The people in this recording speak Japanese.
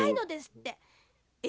え？